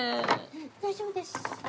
大丈夫です。